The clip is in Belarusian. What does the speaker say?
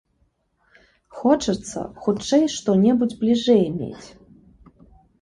Хочацца хутчэй што-небудзь бліжэй мець.